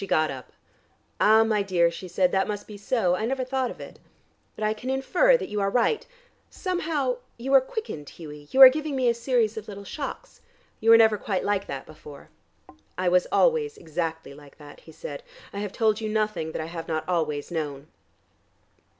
She got up. "Ah, my dear," she said, "that must be so. I never thought of it. But I can infer that you are right. Somehow you are quickened, Hughie. You are giving me a series of little shocks. You were never quite like that before." "I was always exactly like that," he said. "I have told you nothing that I have not always known."